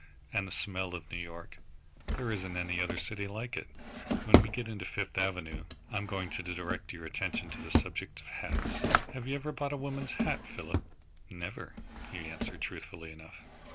And the smell of New York there isn't any other city like it! When we get into Fifth Avenue I am going to direct your attention to the subject of hats. Have you ever bought a woman's hat, Philip?" "Never," he answered, truthfully enough.